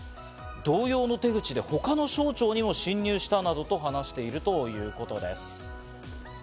同様の手口で他の省庁にも侵入したなどと話しているということです。